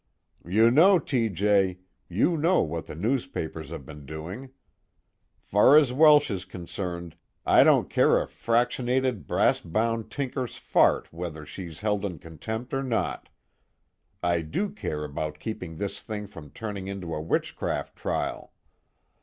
"You know, T. J. you know what the newspapers have been doing. Far as Welsh is concerned, I don't care a fractionated brass bound tinker's fart whether she's held in contempt or not. I do care about keeping this thing from turning into a witchcraft trial.